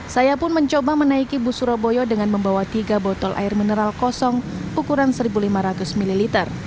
saya pun mencoba menaiki bus surabaya dengan membawa tiga botol air mineral kosong ukuran satu lima ratus ml